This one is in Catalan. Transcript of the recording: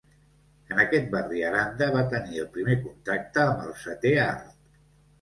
En aquest barri Aranda va tenir el primer contacte amb el setè art.